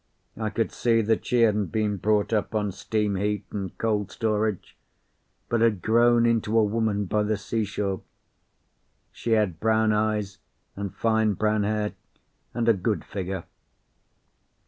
I could see that she hadn't been brought up on steam heat and cold storage, but had grown into a woman by the sea shore. She had brown eyes, and fine brown hair, and a good figure.